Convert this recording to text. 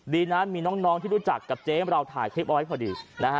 ดีนะมีน้องที่รู้จักกับเจ๊เราถ่ายคลิปเอาไว้พอดีนะฮะ